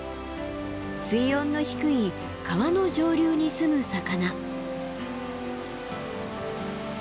水温の低い川の上流に住む魚。